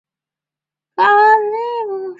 施巴旗下的皮肤护理医学用品品牌名称。